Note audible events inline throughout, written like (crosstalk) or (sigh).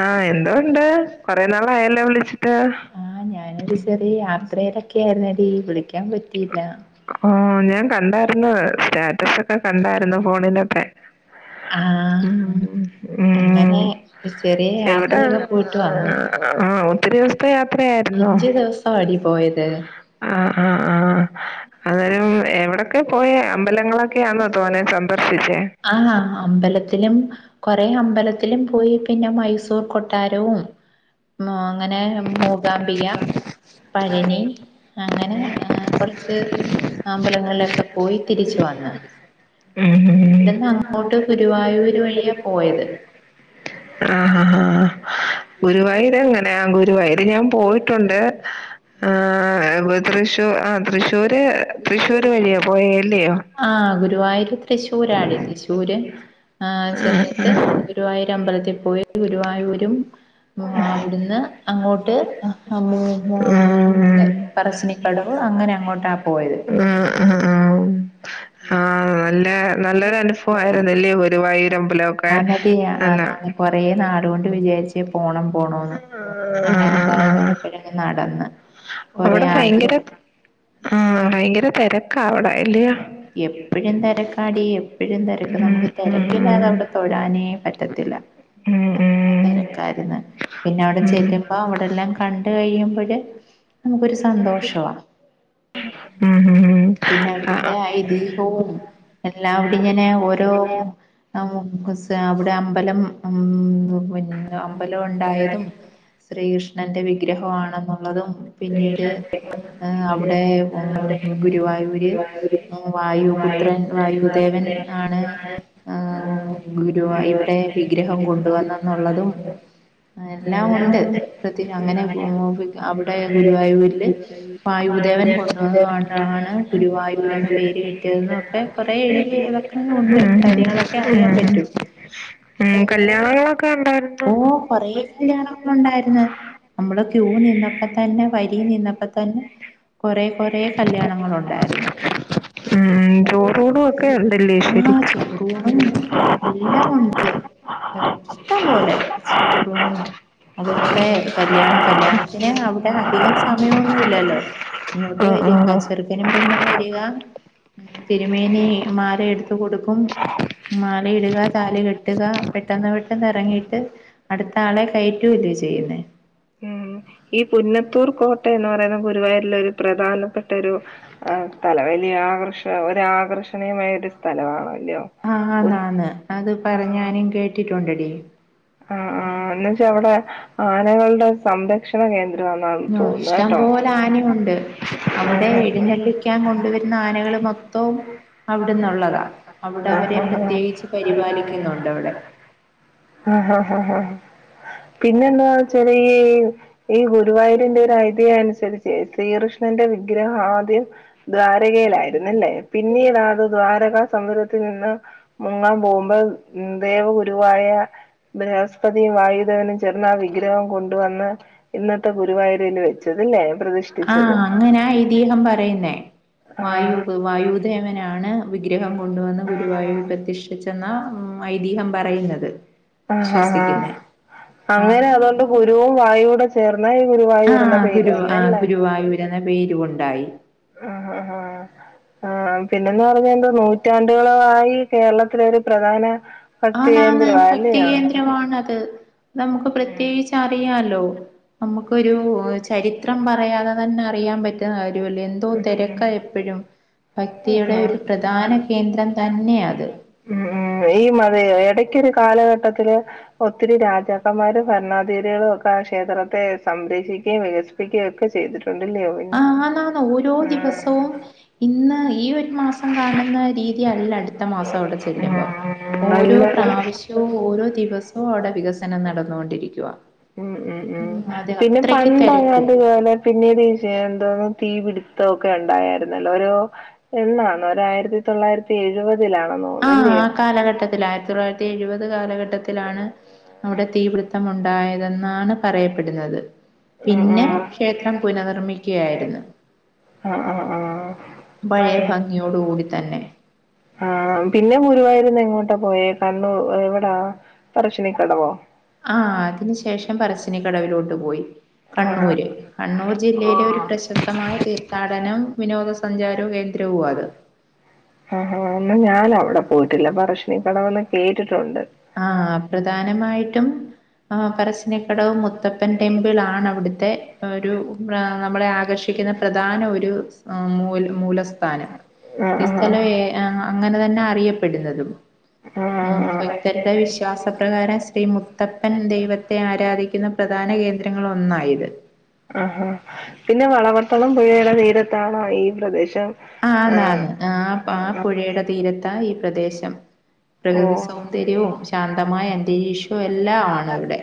ആ എന്തോണ്ട് കൊറേനാളായല്ലോ വിളിച്ചിട്ട് ആഹ് ഞാനൊരു ചെറിയ യാത്രയിലൊക്കെ ആയിരുന്നെടീ വിളിക്കാൻ പറ്റിയില്ല. ആ ഞാൻ കണ്ടായിരുന്നു സ്റ്റാറ്റസ് ഒക്കെ കണ്ടാരുന്നു ഫോണില് (unintelligible) ആ അങ്ങനെ ഉം ഒരു ചെറിയ എവിടെ യാത്രയൊക്കെ ആരുന്നു പോയിട്ട് വന്ന്. ആ ആ ഒത്തിരി ദിവസ് ത്തെ യാത്രയാരുന്നോ? അഞ്ചു ദിവസവാടി ആ എവിടൊക്കെ പോയേ അമ്പലങ്ങളൊക്കെയാന്നോ തോനെ സന്ദർശിച്ചേ ആ അമ്പലത്തിലും കുറെ അമ്പലത്തിലും പോയി പിന്നെ മൈസൂർ കൊട്ടാരവും ആ അങ്ങനെ മൂകാംബിക പഴനി അങ്ങനെ ഏ കുറച്ച് അമ്പലങ്ങളിൽ പോയി തിരിച്ചുവന്ന് ഉം ഇവിടുന്ന് അങ്ങോട്ട് ഗുരുവായൂർ വഴിയാ പോയത് (unintelligible) ങ്ങനെ ഗുരുവായൂര് ഞാൻ പോയിട്ടൊണ്ട് തൃശൂ തൃശൂർ തൃശൂര് വഴിയാ പോയല്ലിയോ ആഹ് ആ ഗുരുവായൂര് തൃശ്ശൂരാടി തൃശ്ശൂര് ആഹ് ചെന്നിട്ട് ഗുരുവായൂര് അമ്പലത്തിൽ പോയി ഗുരുവായൂരും ആ (unintelligible) അങ്ങോട്ട് ആ ഉം. പറശ്ശിനിക്കടവ് അങ്ങനെ അങ്ങോട്ടാ പോയത് ഹ നല്ല നല്ലൊര് അനുഭവം ആയിരുന്നല്ലേ ഗുരുവായൂർ അമ്പലമൊക്കെ ആ, എന്നിട്ട് ആഹ് കൊറേ നാള് കൊണ്ട് വിചാരിച്ച് പോണം പോണോന്ന് അങ്ങനെ എന്തായാലും ഇപ്പോഴേ അങ്ങനെ നടന്നെ കുറെ അവിടെ ഭയങ്കര ആഗ്രഹ ആഹ് ഭയങ്കര തെരക്കാ അവിടെ അല്ലയോ? എപ്പഴും തിരക്കാടി എപ്പഴും തിരക്ക് ഉം നമ്മുക്ക് ഉം തിരക്കില്ലാതെ ഉം. അവിടെ തൊഴാനെ പറ്റത്തില്ല ഉം നല്ല ഉം. തിരക്കായിരുന്ന് പി പിന്നവിടെ ചെല്ലുമ്പോ അവിടെല്ലാം കണ്ട്കഴിയുമ്പഴ് നമ്മുക്കൊരു സന്തോഷവാ പിന്നെ അവിടുത്തെ എല്ലാം ഐതീഹ്യവും എല്ലാമവിടിങ്ങനെ ഓരോ (unintelligible) അവിടെ അമ്പലം ഹഉം മുന്നേ അമ്പലം ഒണ്ടായതും ശ്രീകൃഷ ണന്റെ വിഗ്രഹവാണെന്നും ഉള്ളതും പിന്നീട് അവിടെ മ്ഹ് ഗുരുവായൂർ ർ വായുപുത്രൻ വായുദേവൻ ആണ് ഏ ഗുരു ഇവിടെ വിഗ്രഹം കൊണ്ടുവന്നുന്നേയുള്ളതും എല്ലാം ഉണ്ട് പ്രതി അങ്ങനെ (unintelligible) അവിടെ ഗുരുവായൂരിൽ വായുദേവൻ കൊണ്ടുവന്നതാണ് അദ്ദേഹമാണ് ഗുരുവായൂർ ന്നെ വായുദേവൻ പേര് തേനീട്ട കിട്ടിയതെന്നെ ഓക്കേ കുറെ എഴുതി ഇതൊക്കെ ഉണ്ട് കരങ്ങളെ ഓക്കേ അറിയാൻ പറ്റു ഉം കല്യാണങ്ങളൊക്കെ ഉണ്ടായിരുന്നു ഓ കുറെ തിരക്ക് ഉണ്ടായിരുന്നെ നമ്മൾ ക്യു നിന്നപ്ളേ ത വരി നിന്നപ്പോ തന്നെ കുറേ കുറേ കല്യാണങ്ങളുണ്ട് യിരുന്ന ഉം ചോറൂണും ഒക്കെ ഉണ്ടല്ലേ ആ ശരിക്കും ചോറൂണും എല്ലാം ഉണ്ട് ഇഷ്ടം പോലെ ചോറൂണും അതുപോലെ കല്യാണവും കല്യാണത്തിനെ അധികം സമയമൊന്നും ഇല്ലല്ലോ ഇങ്ങോട്ട് ആഹ് വരും ആഹ് (unintelligible) ണ്ണും പെണ്ണും വരിക തിരുമേനി മാല എടു ട്ടുകൊടു കും മാലയിടുക താല കെട്ടുക പെട്ടെന്ന് പെട്ടെന്ന് ഇറങ്ങിയിട്ട് അടുത്ത ആളെ കയറ്റുവല്ലേ ചെയ്യുന്നേ ഈ പുന്നത്തൂർ കോ ട്ടഎന്നുപറയുന്ന ഗുരുവായൂരിലൊരു പ്രദാനപ്പെട്ടരു അ സ്ഥലവാല്ലിയൊ ആകർഷക ഒരാകർഷണീയമായൊരു സ്ഥലവ അആന്നാന്ന്അത്പറഞ്ഞാനും കേട്ടിട്ടൊണ്ടെടി ആ ന്ന്ച്ചാവ്ടെ ആനകൾടെ സംരക്ഷണകേന്ദ്രവ അ ഇഷ്ടം പോലാനയുണ്ട് അവിടെ ആഹ്. എഴുന്നള്ളിക്കാൻ കൊണ്ട് വരുന്ന ആനകള് മൊത്തൊം അവ്ടൊന്നൊള്ളതാ. അവ്ടവരെ പ്രത്യേകിച്ച് പരിപാലിക്കുന്നൊണ്ടവിടെ പിന്നെന്താച്ചാൽല് ഈഈഗുരുവായൂര്ന്റെ ഒരൈതീഹ്യനുസരിച്ച് സീറ്ഷ്ണന്റവിഗ്രഹവാദ്യം ദ്വാരകേലാര്ന്നല്ലേ പിന്നീടാത് ദ്വാരകാസം ന്നാ (unintelligible) പതീംവായുദേവനും ചേർന്നാ വിഗ്രഹം കൊണ്ടുവന്ന് ഇന്നത്തെ ഗുരുവായൂരില് വെച്ചതില്ലേ പ്രതിഷ്ഠിച്ചത് ആഹ് അങ്ങനാ ഐതിഹ്യം പറയുന്നേ ആ വായു വായുദേവനാണ് ആ ടിച്ചന്നാ ഐതീഹം പറയുന്നത്‌ (inaudible) അങ്ങനാതൊണ്ട് ഗുരുവും വായുവൂടെ ചേർന്നാ ഈ ഗുരുവായൂരെന്ന ആഹ് പേര് ഗുരു വന്നെ ആഹ് ല്ലെ ഗുരുവായൂരെന്ന പേരുമുണ്ടായി ആആആ പിന്നെന്ന്പറഞാന്തുവ നൂറ്റാണ്ടുകളളായി കേരളത്തിലെ രു പ്രദാന ആനാനാന്ന് ഭക്തികേന്ദ്രവാന്നത് നമ്ക്ക് പ്രത്യേകിച്ച് അറിയാലോ അമ്മക്കൊരു ചരിത്രം പറയാത തന്നറിയാമ്പറ്റു ന്നാര്യവല്ലേ ന്തോ തെരക്ക എപ്പഴും ഭക്തിയുടെ ഉം ഒരു പ്രധാന കേന്ദ്രം ഉം തന്നെയാത് അയ്ക്കൊരു കാലഗട്ടത്തില് ഒത്തിരി രാജാക്കമ്മാരും ഭര്ണാദിരികളുക്ക ആ ഷേത്രത്തെ സംരഷിക്യേം വികസിപ്പിക്യേം ക്ക ചെയ്തിട്ടൊ ണ്ടല്ല്യൊ ആന്നാന് ഓരോ ദിവസവും ഇന്ന് ഈ ഒര് മാസം കാണ്ന്ന രീതിയല്ല ടുത്ത മാസവിടെ ചെല്ലുമ്പം ഓരോ നല്ല പ്രാവിശവും ഓരോ ദിവസവും അവിടെ വികസനം നടന്നോണ്ടിരിക്കുവ. ഉം ഉം ഉം അതെ പിന്നെ അത്രക്ക് തെരക്കും പണ്ടങ്ങാണ്ട് (inaudible) തീപിട്ത്തോക്കെണ്ടായാര്ന്നല്ലോ ഒരു എന്നാന്നാ ഒരായിരത്തി തൊള്ളായിരത്തി എഴുപതിലാണെന്ന് തോന്ന് ആഹ് ആ ല്ലിയോ ണ് അവിടെ തീപിട്ത്തമുണ്ടായതെന്നാണ് പറയപ്പെട്ന്നത് പിന്നെ ഷേത്രംപുനനിർമിക്ക്കയായിര്ന്ന് ആആആ പഴേ ഭംഗിയോടുകൂടിതന്നെ ആ പിന്നെ ഗുരുവായൂര്ന്നെങ്ങോട്ട പോയെ കർണ്ണു അ എവിടാ പറശിനികടവോ ആ അതിന്ശേഷംപറശിനികടവിലോട്ട് പോയി ആഹ് കണ്ണൂര്, കണ്ണൂർ ജില്ലയിലെ ഒര് ആഹ് പ്രശസ്തമായ തീർഥാടനം വിനോദസഞ്ചാരൊ കേന്ദ്രവുവാത് ആഹ് ആ ഞാനവിടെ പോയിട്ടില്ല പറശ്ശിനിക്കടവ് എന്ന് കേട്ടിട്ടുണ്ട് ആ പ്രധാനമായിട്ടും പറശ്ശിനിക്കടവ് മുത്തപ്പൻ ടെമ്പിളാണ് അവിടുത്തെ ഒരു നമ്മളെ ആകർഷിക്കുന്ന പ്രധാന ഒരു മൂലസ്ഥാനം ഈ ആഹ് ആഹ് സ്ഥലം- അങ്ങനെ തന്നെയാണ് അറിയപ്പെടുന്നതും ആ- ആഹ് ആഹ് ഇവിടുത്തെ വിശ്വാസപ്രകാരം ശ്രീ മുത്തപ്പൻ ദൈവത്തെ ആരാധിക്കുന്ന പ്രധാന കേന്ദ്രങ്ങളിൽ ഒന്നാ ഇത്- ആഹാ പിന്നെ വളപട്ടണം പുഴയുടെ തീരത്താണോ ഈ പ്രദേശം- ആഹ് ആന്നാന്ന് ആ- ആ പുഴയുടെ തീരത്താ ഈ പ്രദേശം പ്രകൃതി സൗന്ദര്യവും ഓഹ് ശാന്തമായ അന്തരീക്ഷവും എല്ലാം ആണിവിടെ-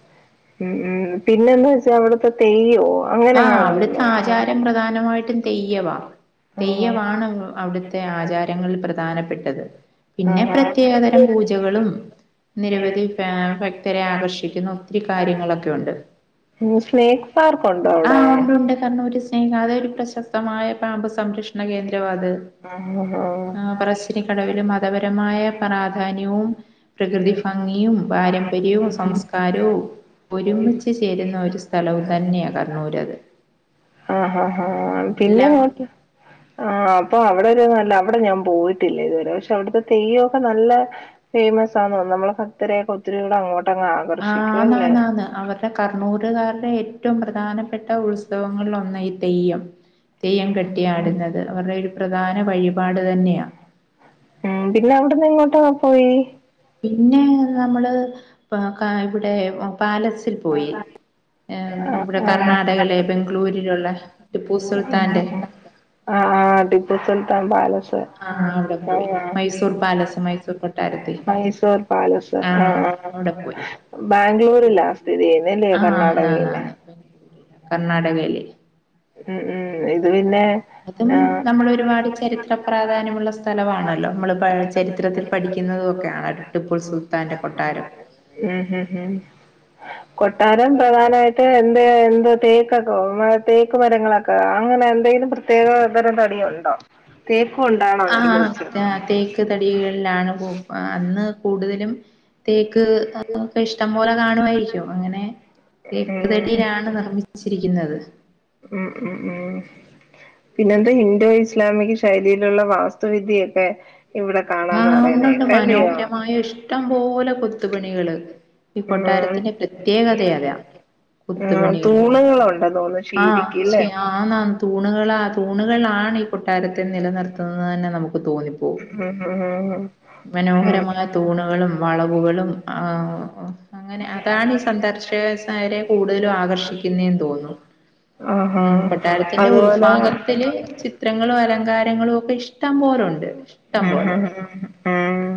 മ് പിന്നെന്നുവെച്ചാ അവിടുത്തെ തെയ്യവോ- ആ അവിടുത്തെ ആചാരം പ്രധാനമായിട്ടും തെയ്യം വാ തെയമാണ് അവിടുത്തെ ആചാരങ്ങളിൽ പ്രധാനപ്പെട്ടത് പിന്നെ പ്രത്യേകതരം പൂജകളും നിരവധി ഭക്തരെ ആകർഷിക്കുന്ന ഒത്തിരി കാര്യങ്ങളൊക്കെ ഒണ്ട്- സ്നേക്ക് പാർക്ക് ഉണ്ടോ ആ അവിടെ ഒണ്ട് ണ്ട് കണ്ണൂര്സ്നേക്ക് അതൊരു പ്രശസ്തമായ പാമ്പ് സ- സംരക്ഷണകേന്ദ്രമാത് ആഹ് പറശ്ശിനിക്കടവിൽ മതപരമായ പ്രാധാന്യവും പ്രകൃതി ഭംഗിയും പാരമ്പര്യവും സംസ്കാരവും ഒരുമിച്ച് ചേരുന്ന ഒരു സ്ഥലം തന്നെയാണത്- ആ ആഹ് പിന്നെ എല്ലാം എങ്ങോട്ടാ- ആ അപ്പ അവിടെ ഒരു നല്ല അവിടെ ഞാൻ പോയിട്ടില്ല ഇതുവരെ പക്ഷേ അവിടുത്തെ- തെയ്യംഒക്കെ നല്ല- ഫേമസ് ആണെന്ന് തോന്നുന്നു. നമ്മൾ ഭക്തരെ ഒക്കെ ഒത്തിരി കൂടെ അങ്ങോട്ട്- ആനാന്ന് ആന്ന് അവരുടെ കണ്ണൂരുകാരുടെ- ഏറ്റവും പ്രധാനപ്പെട്ട ഉത്സവങ്ങളിൽ ഒന്നാ ഈ തെയ്യം തെയ്യം കിട്ടിയ ആടുന്നത് അവരുടെ ഒരു പ്രധാന പരിപാടി തന്നെയാ- ഏ പിന്നെ നമ്മള്- വാ കൈവിടേവം- പാലസിൽ പോയി ഇവിടെ കർണാടകയിലെ ബാംഗ്ലൂരിലുളേള- ടിപ്പുസുൽത്താന്റെ ആആ ടിപ്പുസുൽത്താൻ പാലസ് ആ ആഹ് അവിടെ പോയി മൈസൂർ പാലസ് മൈസൂർ കൊട്ടാരത്തി മൈസൂർ പാലസ്ആ ആഹ് അവിടെ പോയി ബാംഗ്ലൂരിലാണ് സ്ഥിതി ചെയ്യുന്നത് അല്ലേ ആ ആഹ് കർണാടകയിലെ ആന്നാന്നാന്ന് കർണാടകയില് മ് ഇതു പിന്നെ- ഇതും നമ്മൾഒരുപാട് ചരിത്ര ആഹ് പ്രാധാന്യമുള്ള സ്ഥലമാണല്ലോ നമ്മൾ ചരിത്രത്തിൽ പഠിക്കുന്നത് ഒക്കെയാണല്ലോ ടിപ്പുസുൽത്താന്റെ കൊട്ടാരം- ഉം ഉം (unintelligible) കൊട്ടാരം പ്രധാനമായിട്ട് എന്തുവാ തേക്ക്- (unintelligible) തേക്കുമരങ്ങളെക്കെ അങ്ങനെ എന്തെങ്കിലും പ്രത്യേ (unintelligible) തടിയുണ്ടോ തേക്ക് കൊണ്ടാണോ ആഹ് നിർമ്മിച്ചത് തേക്ക് തടികളിലാണ് കൂപ്പ് അന്ന് കൂടുതലും തേക്ക് ഒക്കെ ഇഷ്ടം പോലെകാണുമായിരിക്കും അങ്ങനെ തേക്ക് ഉം തടിയിലാണ് നിർമിച്ചിരിക്കുന്നത് പിന്നെന്ത് ഇൻഡോ ഇസ്ലാമിക്‌ ശൈലിയിലുള്ള വാസ്തു വിദ്യ ഒക്കെ ആ ഉണ്ട് ഉണ്ട് മനോഹരമായ ഇഷ്ടം പോ പോലെ കൊത്തുപണികള് ഈ ഉം കൊട്ടാരത്തിന്റെ പ്രേത്യേകഥയാ അതാ ആ കൊത്തുപണികള് തൂണുകളുണ്ടെന്ന് തോന്നുന്നു ആ ശീരിക്ക് പക്ഷെ ല്ലേ ഞാൻ ആ തൂണുകള് തൂണുകളിലാണ് ആണ് ഏ കൊട്ടാരത്തെ നില നിർത്തുന്നെ എന്ന് നമുക്ക് തോന്നി പോകും ഉം ഉം ഗൂഗിളും ആ അങ്ങനെ അതാണീ സന്ദർശകരെ കൂടുതൽ ആകർഷിക്കുന്നെ എന്ന് തോന്നുന്ന് ആഹാ ഉം കൊട്ടാരത്തിന്റെ ഉൾ അതുപോലെ ഭാഗത്തില് ചിത്രങ്ങളും അലങ്കാരങ്ങളും ഒക്കെ ഇഷ്ടം പോലുണ്ട് ഇഷ്ടം ആഹാ പോലെ ഉം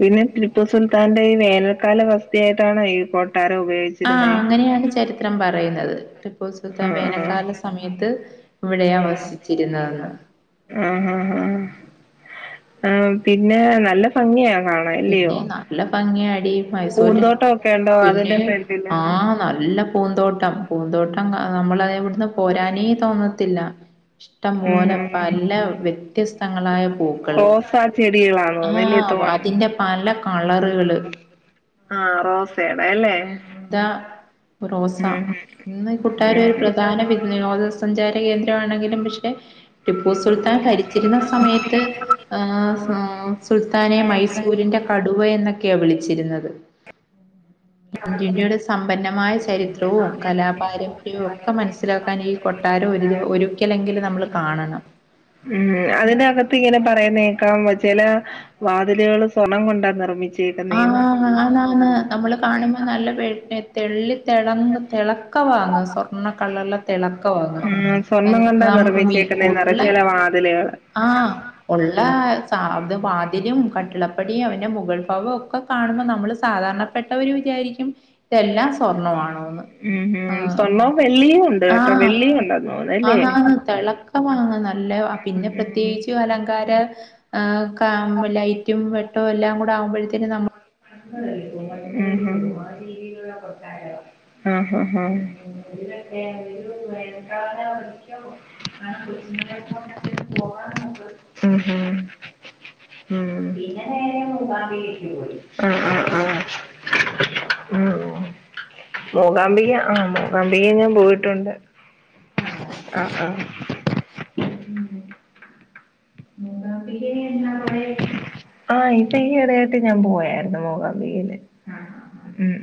പിന്നെ ടി പ്പു സുൽത്താന്റെ ഈ വേനൽക്കാല വസതിയായിട്ട് ആണ് ഈ കൊ ആഹ് അങ്ങനെയാണ് ചരിത്രം പറയുന്നത് ടിപ്പു സുൽത്താൻ ആഹ് ആഹ് വേനൽകാല സമയത്ത് ഇവിടെയാ വസിച്ചിരുന്നത് എന്ന് ആഹ് ആഹ് ആഹ് ആഹ് പിന്നെ നല്ല ഭംഗിയാ കാണാൻ ഇല്ലിയോ പിന്നെ നല്ല ഭംഗിയാടി മൈസൂര് ഉണ്ടോ പിന്നേ അതിന്റെ ഫ്രണ്ടില്? ആഹ് നല്ല പൂന്തോട്ടം പൂന്തോട്ടം കാ ഉള്ളതെ ഇവിടുന്ന് പോരാനെ തോന്നത്തില്ല ഇഷ്ടം ഉം പോലെ പല വ്യത്യാസ്തങ്ങൾ ആയ പൂക്കള് റോസാ ചെടികളാന്ന് ആ ആ അതിന്റെ പല കളറ് ആ റോസേടെ അ ഉം മുത്താ ഇപ്പ റോസാ ഉം ഇന്ന് ഈ കൊട്ടാരം ഒരു ഉം പ്രധാന വിനോദ സഞ്ചാര കേന്ദ്രം ആണെങ്കിലും പക്ഷെ ടിപ്പു സുൽത്താൻ ഭരിച്ചിരുന്ന സമയത്ത് ആ സുൽത്താനെ മൈസൂരിന്റെ കടുവ എന്നൊ ന്നൊക്കെയാ വിളിച്ചിരുന്നത് (unintelligible) ചരിത്രവും കലാപാരമ്പര്യവും ഒക്കെ മനസ്സിലാക്കാൻ ഈ കൊട്ടാരം ഒരു ദിവ ഒരിക്കലെങ്കിലും നമ്മൾ കാണണം ഉം അതിനകത്ത് ഇങ്ങനെ പറയുന്ന കേക്കാം ചില വാതിലുകള് സ്വർണം കൊണ്ടാ നിർമിച്ചേ ആഹ് ആണ് ആണ് നമ്മള് കാണുമ്പം നല്ല (unintelligible) തെള്ളി തെളങ് തെളക്കവാ അങ്ങ് സ്വർണ കളറിലെ തിളക്കവാ അങ്ങ് ഉം. സ്വർണം കൊണ്ടാ നമ്മ നിർമ്മിച്ചേക്കുന്നേന്ന് ഉള്ള പറയും ചില വാതിലുകള്. ആ ഉള്ള സാ അത് വാതിലും കട്ടള പടിയും അതിന്റെ മുകൾ അകവൊക്കെ കാണുമ്പം നമ്മള് സാദാരണ പെട്ടവര് വിചാരിക്കും എല്ലാം സ്വർണം ആണോന്ന് ഉം. ഉം. സ്വർണവും വെള്ളിയും ഉണ്ട് ആ ആ കേട്ടോ. വെള്ളിയും ഉണ്ടെന്ന് തോന്നുന്നു അല്ലേ? ആന്നാന്ന് തിളക്കവാ അങ്ങ് നല്ല പിന്നെ പ്രേത്യേകിച്ചും അലങ്കാരം ഒക്കെ ആവുമ്പം ലൈറ്റും വെട്ടവും എല്ലാം ആവുമ്പഴ ഇനി നമു ഹ് ഹും ഹും ഹാ ഹാ ഹാ ഉം ഉം അ അ ഉം മൂകാംബിക ആ മൂകാംബികയിൽ ഞാൻ പോയിട്ടുണ്ട് ആ ആ ആ ഈ ത്ത ഇനി അടിയര്ത്ത് ഞാൻ പ്പോയർന്നു മൂകാംബികയില് ഉം